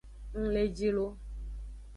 Ng le ji lo.